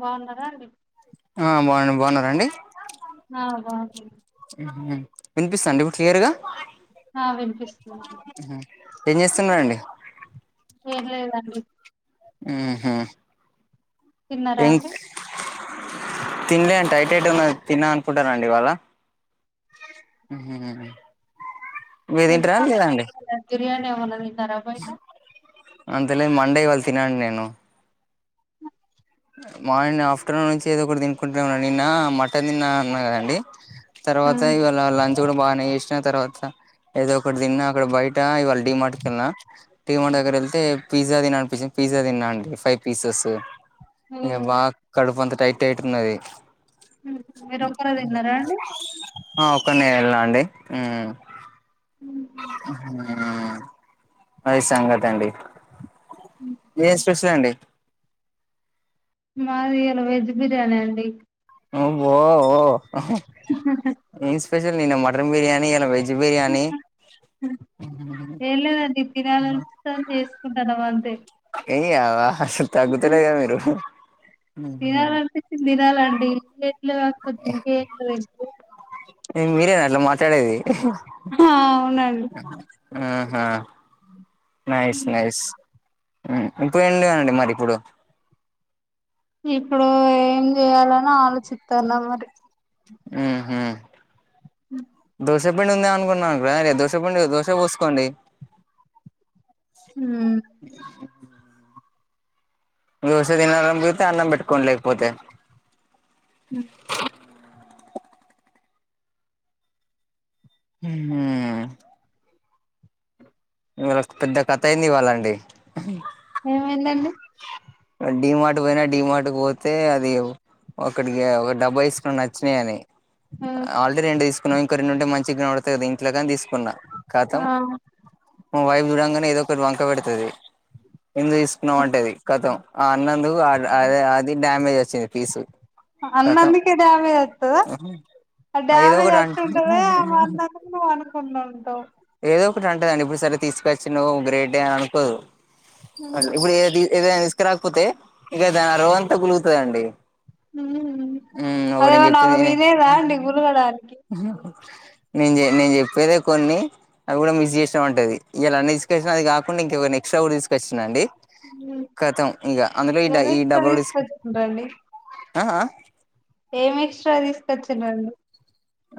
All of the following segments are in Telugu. బాగున్నారా అండి ఆ బావున్నాం బాగున్నారా అండి అ బావున్నాం ఉహుమ్ వినిపిస్తాందా ఇప్పుడు క్లియర్గా ఆ వినిపిస్తుందండి అహుమ్ ఏం చేస్తున్నరాండి ఏం లేదండి ఉహుమ్ తిన్నారా ట్యాంగ్స్ అండి తినలే అంటడి టైట్ హెడ్ ఉన్న తిన్నా అనుకుంటారండి ఇవాళ ఉహుమ్ మీది ఇంటి రాని ఎందుకంత లేదాండి లేట్ గా బిర్యానీ వుంది తింటారా అంతలే మండే ఇవళ్ళ తినను నేను మార్నింగ్ ఆఫ్టర్నూన్ నుంచి ఏదో ఒకటి తినుకుంటున్నాన్నా నిన్న మటన్ తిన్నా అన్నా కదండి తర్వాత ఉమ్. ఇవాళ లంచ్ కూడా బాగానే వచ్చిన తర్వాత ఏదో ఒకటి తిన్నా అక్కడ బయట ఇవాళ డీమార్ట్కి వెళ్ళిన టీమార్ట్ దగ్గర వెళ్తే పిజ్జా తిన్నా అనిపించింది పిజ్జా తన్నాండి ఫైవ్ పీసెస్ ఇక ఉమ్. బాగా కడుపు అంత టైట్ టైట్ గా ఉన్నది ఉమ్. మీరు ఒక్కరే తిన్నారా అండి ఆ ఒక్క నేను వెళ్నా అండి ఉమ్ అమ్ ఉహుమ్ అది సంగతి అండి ఏం స్పెషల్ అండి మాది ఇయాళ వెజ్ బిర్యానీ అండి అబ్బో ఓ హ ఇన్ స్పెషల్ నిన్న మటన్ బిర్యానీ ఇయాలా వెజ్ బిర్యానీ ఎం లేదు అండి తినాలి అనిపిస్తుంది చేసుకుంటాడాం అంతే యే నీ అవ్వ అసలు తగతలేగ మీరు తినాలి అనిపించింది తినాలండి ఇంకేంలు కాకపోతే ఇంకేందు ఇంగ మీరేనా అట్లా మాట్లాడేది ఆ అవునండి ఆహా నైస్ నైస్ ఉమ్ ఇప్పుడు ఏంటి అండి మరి ఇప్పుడు ఇప్పుడు ఏం చేయాలని ఆలోచిస్తున్నా మరి ఉహుమ్ దోస దోశపిండి ఉంది అనుకున్నాను రే దోశ పండి దోశ పోసుకోండి హుమ్ దోశ తినాలని లేకపోతే అన్నం పెట్టుకోండి లేకపోతే హమ్ హుమ్ ఇవాళ ఒక పెద్ద కథ అయింది ఇవాళండి ఏమైందండి డి మార్ట్ పోయినా డి మార్ట్ కు పోతే అది ఒకడికి ఒక డబ్బా తీసుకున్న నచ్చినాయి అని ఆల్రెడీ రెండు తీసుకున్నాం ఇంకో రెండుంటే మంచి కనబడతుంది కదా ఇంట్లో కాని తీసుకున్నా ఆ ఖతం మా వైఫ్ చూడంగానే ఏదోకటి వంక పెడతది ఎందు తీసుకున్నావ్ అన్ అంటది కతం ఆ అన్నందుకు అ అది డ్యామేజ్ వచ్చింది పీసు కతం అన్నందుకే డ్యామేజ్ వత్తదా ఏదో డ్యామేజ్ ఒకటి వచ్చి అంట ఉంటదా ఆమె అన్నందుకు నువ్వు అనుకుండా ఉంటవ్ ఏదో ఒకటి అంటదండి ఇప్పుడు సరే తీసుకొచ్చినవ్ గ్రేట్ యే అనుకోదు ఇప్పుడు ఏదైనా తీసుకరాకపోతే ఇంక తను ఆరోజంతా కులుకుతాదండి ఊ అవు నేను అదేమన్నా చెప్పేది ఆమె వినే తినేదా అండి గులగడానికి నేన్ నేన్ చెప్పేదే కొన్ని అది కూడా మిస్ చేసినావంటది ఈయాల అన్ని తీసుకొచ్చిన అది కాకుండా ఇంక ఎక్స్ట్రా కూడా తీసుకొచ్చిన అండి ఊ కతం ఇంగ అందులో ఈ డబుల్ డిస్ తీసుకొచ్చిండ్రండి ఆ ఆ ఏం ఎక్స్ట్రా తీసుకొచ్చిరుఆళ్ళు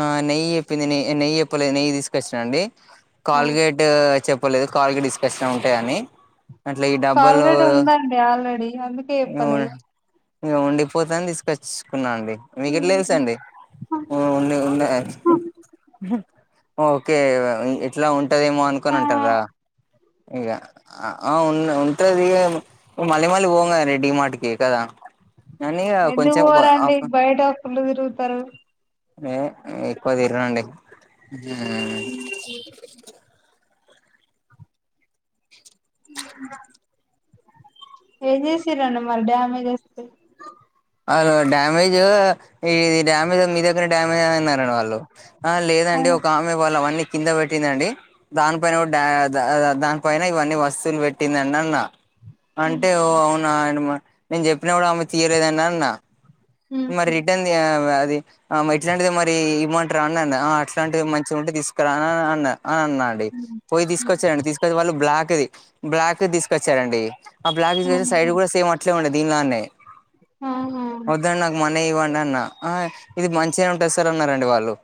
ఆ నెయ్యి చెప్పింది నెయి నెయ్యి ఎప్పలేదు నెయ్యి తీసుకొచ్చినాండి కాల్గేట్ చెప్పలేదు కాల్గేట్ తీసుకొచ్చినా ఉంటాయని అట్లా ఈ డబ్బలు కాల్గేట్ ఉందండి ఆల్రెడీ అందుకే చెప్పలేదు ఏమ్ ఉండిపోతాయని తీసుకొచ్చుకున్నా అండి మీకేట్లా తెలుసండి నీకున్నాయ్ ఓకే ఇట్లా ఉంటదేమో ఆ అనుకోని అంటారా ఇగ ఆ ఉన్ ఉంటది మళ్ళీ మళ్ళీ పోము కదా రెడిమార్ట్కి కదా కానీ ఎందుకు కొంచెం పోరండి బయట ఫుల్లుగా తిరుగుతరు మేం ఎక్కువ తిరగనండి ఊ ఉ ఉ ఏం చేసిరండి మరి డ్యామేజ్ వస్ వాళ్ళు డ్యామేజ్ ఇది డ్యామేజ్ మీ దగ్గర డ్యామేజ్ అయ్యిందన్నడు వాళ్ళు ఆ లేదండి ఒక ఆమె వాళ్ళవన్నీ కింద పెట్టిందండి దానిపైన కూడా దానిపైన ఇవన్నీ వస్తువులు పెట్టిందండన్న అంటే ఓ అవునా ఆయన నేను చెప్పినా కూడా ఆమె తీయలేదండి అన్న మరి రిటర్న్ది అది ఆ ఇట్లాంటిది మరి ఇమంటరా అన్నా అంది అట్లాంటి మంచిగా ఉంటే తీసుకురా అన్నా అని అన్నడి పోయి తీసుకొచ్చారండి తీసుకొచ్చి వాళ్ళు బ్లాక్ బ్లాక్ ది తీసుకొచ్చారండి ఆ బ్లాక్ ది సైడ్ కూడా సేమ్ అట్లే ఉండే దీనిలానే ఆహా ఇదండి నాకు మానీ ఇవ్వండి అన్నా ఇది మంచిగానే ఉంటది సారు అన్నారండి వాళ్ళు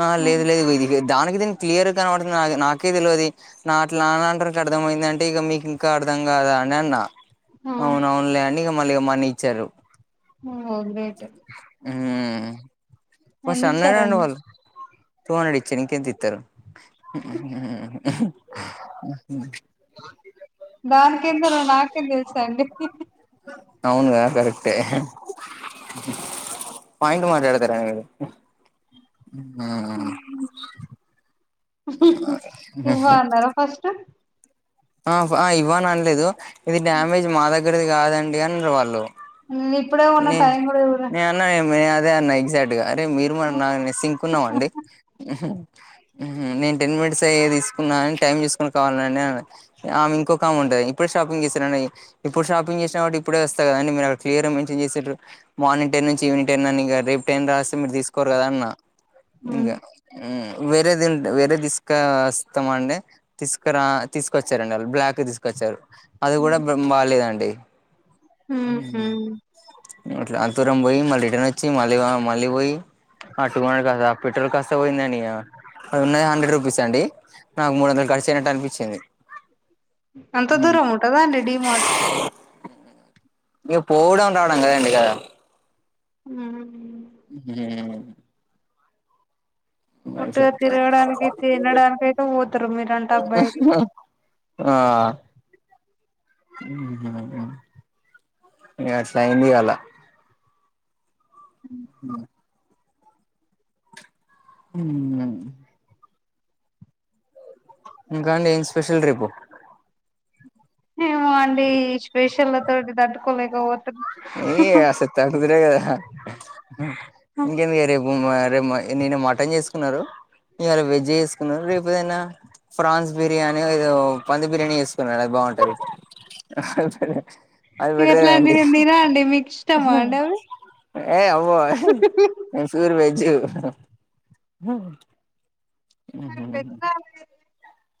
ఆ లేదు లేదు ఇదిగో ఇది దానికి దీనికి క్లియర్ గా కనబడుతుంది నా నాకే తెల్వది నాట్ నాలాంటోళ్ళకే అర్థమయిందంటే ఇక మీకింకా అర్థం కాదా అండి అన్నా అవునవునులే అని ఇగ మళ్ళీ మని ఇచ్చారు హో గ్రేట్ యే ఊ ఫస్ట్ ఎన్ని అన్నారండీ ఇచ్చారండి వాళ్ళు టూ హండ్రెడ్ ఇచ్చిరు ఇంకెంతితారు దానికెందరో నాకేం తెలుసండి అవునుగా కరెక్ట్ యే పాయింట్ మాట్లాడతారండి మీరు ఆ ఇమబాగున్నారా ఫస్ట్, ఆ ఇవ్వని అనలేదు ఇది డ్యామేజ్ మా దగ్గరది కాదండి అన్నారు వాళ్ళు, ఇప్పుడే ఉన్న టైం కూడా ఇవర, అన్నే అదే అన్నా ఎగ్జాక్ట్గా అరే మీరు మన నా నెస్ సింకున్నామండి. నేను టెన్ మినిట్స్ అయ్య తీసుకున్నాను అని టైం తీసుకుొని కావాలండి అ ఆమె ఇంకొక ఆమ్ ఉంటాయి ఇప్పుడు షాపింగ్ చేసారడి, ఇప్పుడు షాపింగ్ చేిన వా ఇప్పుే వస్తా కదం మీరు అడ్లియర్ సారు మార్నింగ్ టైన్ నుంచి ఈవిెనింగ్ టైన్ అని రేపు టైన్ రాస్తే మీరు తీసుకోరు కదా అన్న, ఇకా హ్మ్ వేరే దిం వేరే దిస్క వస్తస్తామండే, తీసుకురా తీసుకొచ్చారంండి వాళ్ళు బ్లాక్ తీసుకొచ్చారు. అది కూడా బెమ్ బాలలేదండి. ఉ అట్ అంతూరం పోయి మళ్ళీ రిటర్న్ వచ్చి మళ్ళీ మళ్ళీ పోయి. ప పెట్రోల్ కాస్త పోయిందిని. అది ఉన్నది హండ్రెడ్ రూపీస్ అండి నాకు మూడు వందలు ఖరచుయినట్టు అనిపించింది. అంత దూరం ఉంటుందా అండి డిీ మార్ట్, ఇక పోవడం రావడం కదండి కద, ఉ హ ఉట్టిగా తిరగడానికి తినడానికి అయితే పోతారు మీరంటే అబ్బాయిలు [unintelligible] ఆ ఇసైంది వాాల [unintelligible] ఉ ఇంకా అే ఏం స్పెషల్ ట్రిప్పు, ఏమో అండి స్పెషల్ తోటి దట్టుకోలేకపోచ్చ, ఏయ అసతి అది్రేదా ఇకెంద గర, మార్ నిన్న మటన్ చేసుకున్నారు ఇవాళ వెజ్ చేసుకున్నారు రేపు ఏదైనా, ఫ్రాన్స్ బిర్యానీ ఏదో పంది బిర్యానీ వేసుకున్నా అది బాగుంటది. అది బెటర్ దా ఎట్లాంటివి అండి, నేను తిన అండి మిక్స్, ఏ అవో ఎహ్, వన్స్ పూర్వేజ్,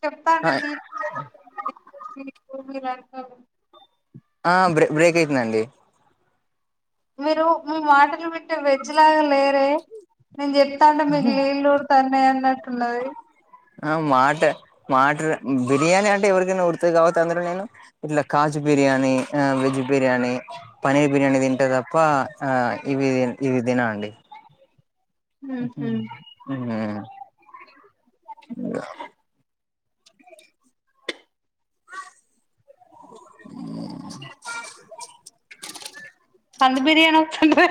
చెప్తా అండి మీ మీరు అ [unintelligible] మీకు మీవారుకో, హ బ్రే బ్రేక్ అవుతుందండి. మీరు మీ మాటలు విట్టే వెజ్ లాగా లేరే, నేను చెప్తాంట మీకు ని ళ్వు రుతనే అన్నట్టున్నది. ఆ మాట మాట బిర్యానీ అంటే ఎవరికైనా ఉరుతుంది కాబతేటి అందులో నేను, ఇట్లా కాజ్ బిర్యానీ వెజ్ బిర్యానీ, పనీర్ బిర్యానీ తింటే తప్ప ఇవి ఇవి తిన అండి. [unintelligible] [inaudible] పంది బిర్యానీ వచ్చంది.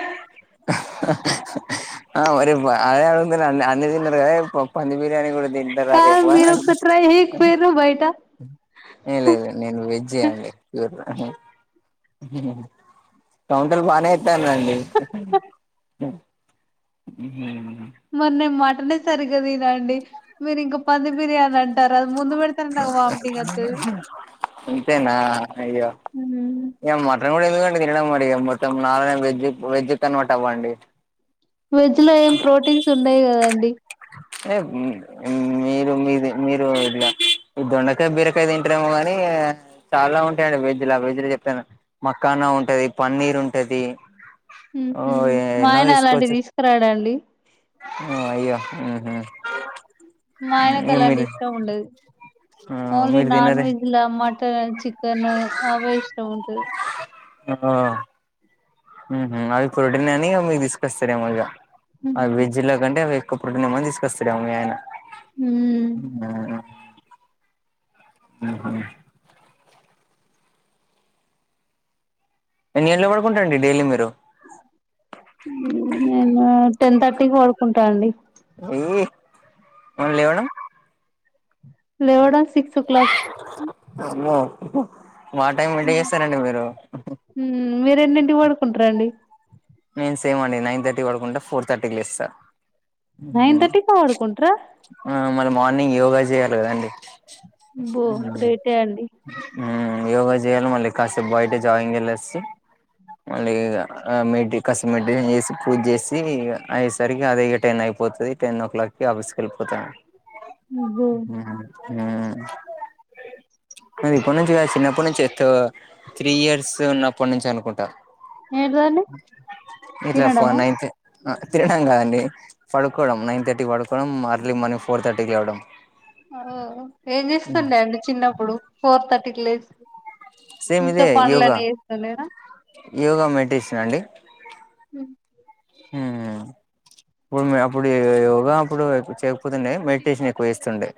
ఆ అే అన్ని త అదే పంది బిర్యానీి కూడా తండి లేదా కాదు రివ్వాన్ మీరు ఒకసారి ట్రై ఉ చేయకపోయిర్రు బయట ఏ లేదు నేను వెజ్జే అండి ప్యూర్ గ అహ్ కౌంటర్ బానే ఇత్తందండి ఉ హూ మర్ నే మటనే సరిగ్గ దినా అండి మీరింకా పంది బిర్యాన్ అండ్ టార్ అది ముందు పెడుతనే నక్ వామిటింగ్ ఒత్తది ఇంతేనా అయ్యో ఏంమర్ [unintelligible] తినడం మడి గ మొత్తం నాలునే వెజ్ వెజ్ కన్వర్ట్ అవ్వండి వెజ్ లో ఏం ప్రోటీన్స్ ఉండయ్ గదండి ఎ వుంద్ ఇమ్మీరు మీది మీరు ఇదిలా ఇ దొండకాయ్ బీరకాయ్ తింటారేమో గాని చాలా ఉంటాయండి వెజ్ లా వెజ్ ల చెప్తాన మక్కానా ఉంటది పన్నీర్ ఉంటది ఉ ఓ హ్ మా ఆయన అలాంటివి తీసుకురాడండి ఓ అయ్యో ఉహు మాయనక్ అలాంటివిష్టం ఉండదు ఆ ఓన్లీ మీరు నాన్ తినరే వెజ్ లా మటా చికెన్ అవే ఇష్టం ఉంటది అ ఆ ఉహు అవి ప్రోటీన్ అని ఇగ మీక్ తీసుకోస్తరేమో ఇగ అ ఉమ్ వెజ్ ల గంటే అవ్ ఎక్కువ ప్రోటీన్ ఏమో తీసుకోస్తాడ్ ఏం మీ ఆయన ఉమ్మా ఉహు ఎన్ని గంట్ల పడుకుంటరండి డైలీ మీరు ఉ ఉ నేనూ టెన్ థర్టీక్ పడుకుంటా అండి ఈ మళ్ లేవడం లేవడం సిక్స్ ఓ క్లాక్ అమ్మో మా టైం మెంట చేస్తారండి మీరు ఉమ్మ్మ్ మీరేన్నింటిక్ వడుకుంటరండి మేమ్ సేమండి నైన్ థర్టీక్ వడుకుంట ఫోర్ థర్టీక్ లేస్తా నైన్ థర్టీక అడుకుంటరా ఆ మళ్ళ మార్నింగ్ యోగ జెయాలి గదండీ బ్బో గ్రేటే అండి ఊ యోగ జేయాలి మళ్ళీ కాసేప్ బయట జాగింగ్ ఎల్లేసి మళ్లీ గ అ మీటి క్కసి మెడిటేషన్ చేసి పూజ్ చేసి ఇగ అయేసరి అదే ఇగ టెన్ అయిపోతది టెన్ ఓ క్లాక్ కి ఆవస్ కెళ్ళిపోతా అబ్బో ఉహ్ ఊ నేన్ ఇప్పటి నుంచి గాద్ శిన్నప్పుడ్ నుంచ్ ఎత్త్ త్రీ ఇయర్స్ ఉన్నప్ప నుంచనుకుంటా ఏడిదండి ఇట్లా ఫోన్ నైన్త్ ఆ తిరగడం గాదండీ ఫడుకోడం నైన్ థర్టీక్ వడుకోడం అర్లీ మార్నింగ్ ఫోర్ థర్టీక్ లేవడం అ ఓ ఏం చేస్తుండే అండి చిన్నప్పుడు ఫోర్ థర్టీక్ లేసి సేమ్ ఇంట్లో పనులన్నీ చేస్తుండేనా యోగ మెడిటేషన్ అండి హ్ హూ ప్పుమ్మే అప్పుడే యోగ అప్పుడు ఎప్పు చేయకపోతుండే మెడిటేషన్ ఎక్కువ చేస్తుండే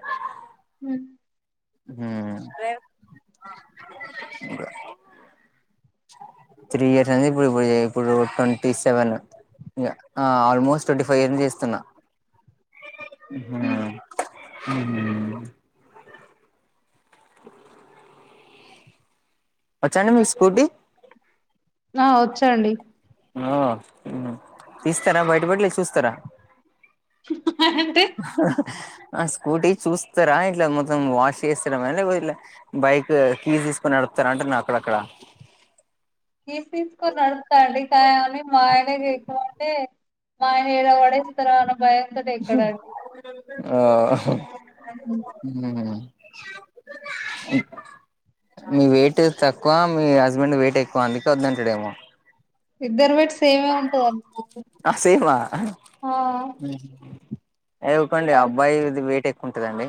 హ్ ఊ రెవ్ మూరే త్రీ ఇయర్స్ అయ్యింది ఇప్పుడు ఇప్పుడే ఇప్పుడూ ట్వంటీ సెవెన్ ఇంగ ఆ ఆల్మోస్ట్ ట్వంటీ ఫైవ్ యర్న్ చేస్తున్నా హ్మ్. ఉహుఊ ఊ వచ్చా అండి మీకు స్కూటీ ఆ వచ్చండి ఆ హు తీస్తరా బయటపడి లేక చూస్తరా అంటే ఆ స్కూటీ చూస్తరా ఇట్లా మొత్తం వాష్ చేస్తరా మల్ల లేకపోతే ఎట్లా బైకూ కీస్ తీసుకొని నడుపుతరా అంటున్నా అక్కడక్కడా కీస్ తీసుకొని నడుపుతా అండి కానీ మా ఆయనకి ఎక్కుమంటే మా ఆయన ఏడపడేసితరో అన్న భయం ఉహు ఆ అహుమ్ ఊ ఇప్ మీ వెయిటూ తక్కువా మీ హస్బెండ్ వెయిటు ఎక్కువా అందుకే వద్దంటడేమో ఇద్దరు వెయిట్ సేమే అనుకోవాలి అ సేమా ఊ ఏ ఊకోండి అబ్బాయిది వెయిట్ ఎక్కువ ఉంటదండి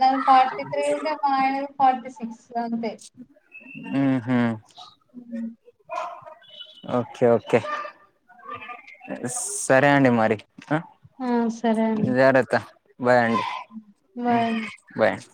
నాది ఫార్టీ త్రీ ఉండే మా ఆయనది ఫార్టీ సిక్స్ అంతే ఊహు ఓకే ఓకే స్సరే అండి మరి ఆ ఆ సరే అండి జారత్త బాయ్ అండి ఉ బాయ్ బాయ్ అండి